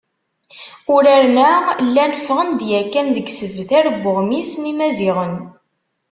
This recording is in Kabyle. Uraren-a llan ffɣen-d yakan deg yisebtar n Uɣmis n Yimaziɣen.